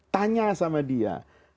tanya sama dia